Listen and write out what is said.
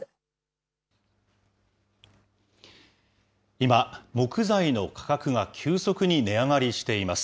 今、木材の価格が急速に値上がりしています。